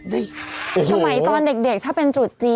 ทั้งไทยตอนเด็กถ้าเป็นจุดจีน